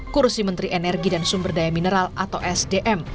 kursi menteri energi dan sumber daya mineral atau sdm